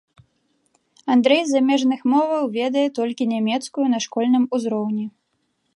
Андрэй з замежных моваў ведае толькі нямецкую на школьным узроўні.